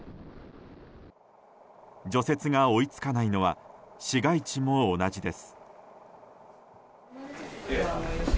除雪が追いつかないのは市街地も同じです。